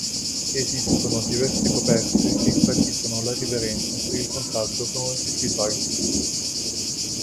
Esistono diverse coperte che enfatizzano la riverenza per il contatto con oggetti sacri.